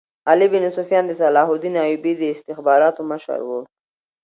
علي بن سفیان د صلاح الدین ایوبي د استخباراتو مشر وو.